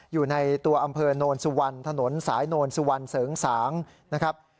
อยู่ในตัวอำเภอนนซวรรย์ถนนสายนนซวรรย์เสิร์ฟสาหงศ์